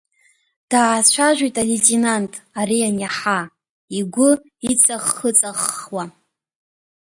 Даацәажәеит алеитенант ари аниаҳа, игәы иҵахх-ыҵаххуа.